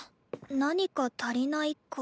「何か足りない」か。